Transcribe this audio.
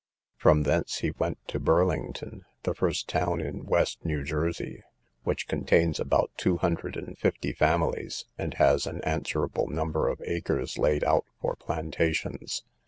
From thence he went to Burlington, the first town in West New Jersey, which contains about two hundred and fifty families, and has an answerable number of acres laid out for plantations.